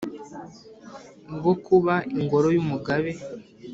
rwo kuba ingoro y'umugabe,